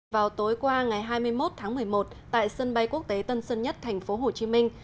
vào tối qua ngày hai mươi một tháng một mươi một tại sân bay quốc tế tân sơn nhất thành phố hồ chí minh